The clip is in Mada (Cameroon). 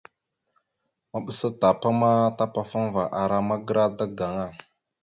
Maɓəsa tapa ma tapafaŋava ara magəra daga aŋa.